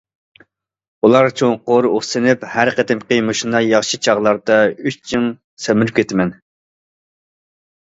ئۇلار چوڭقۇر ئۇھسىنىپ: ھەر قېتىمقى مۇشۇنداق ياخشى چاغلاردا ئۈچ جىڭ سەمرىپ كېتىمەن.